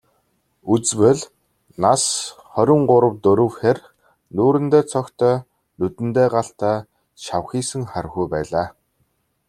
Үзвэл, нас хорин гурав дөрөв хэр, нүүрэндээ цогтой, нүдэндээ галтай, шавхийсэн хархүү байлаа.